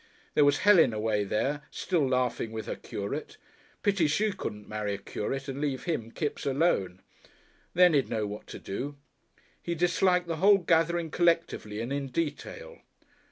There was Helen away there, still laughing, with her curate. Pity she couldn't marry a curate and leave him (Kipps) alone! Then he'd know what to do. He disliked the whole gathering collectively and in detail.